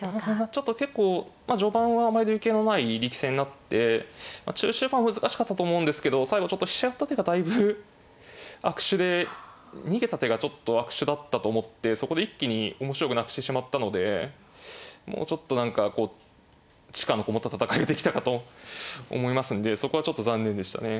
ちょっと結構序盤はあんまり類型のない力戦になって中終盤は難しかったと思うんですけど最後ちょっと飛車寄った手がだいぶ悪手で逃げた手がちょっと悪手だったと思ってそこで一気に面白くなくしてしまったのでもうちょっと何か力のこもった戦いができたかと思いますんでそこはちょっと残念でしたね